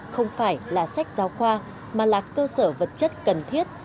không phải là sách giáo khoa mà là cơ sở vật chất cần thiết